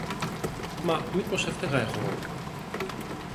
Μα μήπως έφταιγα εγώ;